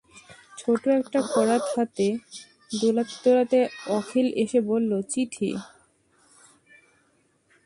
ছোটো একটা করাত হাতে দোলাতে দোলাতে অখিল এসে বললে, চিঠি!